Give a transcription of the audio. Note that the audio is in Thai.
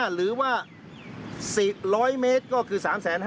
๓๕๐๐๐๐๐หรือว่า๑๐๐เมตรก็คือ๓๕๐๐๐๐